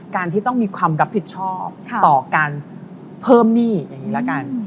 การที่ต้องมีความรับผิดชอบต่อการเพิ่มหนี้อย่างนี้ละกัน